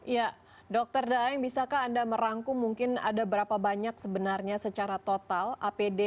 ya dokter daeng bisakah anda merangkum mungkin ada berapa banyak sebenarnya secara total apd